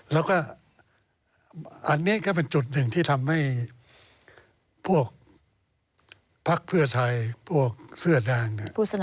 แล้วก็อันนี้ก็เป็นจุดหนึ่งที่ทำให้พวกพักเพื่อไทยพวกเสื้อแดงเนี่ย